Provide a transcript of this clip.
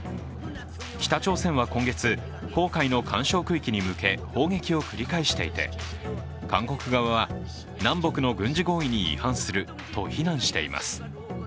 北朝鮮は今月、黄海の緩衝区域に向け砲撃を繰り返していて韓国側は南北の軍事合意に違反すると非難しています。